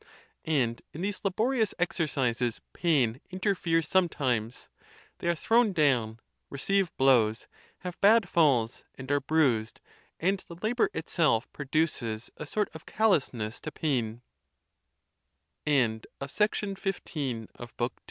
And in these laborious exercises pain interferes sometimes. They are thrown down, receive blows, have bad falls, and are bruised, and the labor itself produces a sort of callous ne